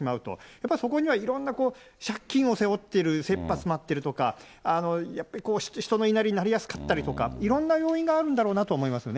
やっぱりそこにはいろんな借金を背負ってる、せっぱ詰まってるとか、やっぱりこう、人の言いなりになりやすかったりとか、いろんな要因があるんだろうなと思いますよね。